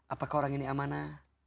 apakah orang ini amanah